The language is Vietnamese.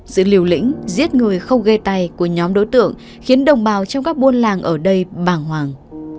sự liều lĩnh giết người không gây tay của nhóm đối tượng khiến đồng bào trong các buôn làng ở đây bàng hoàng